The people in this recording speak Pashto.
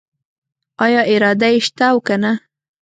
آیا اراده یې شته او کنه؟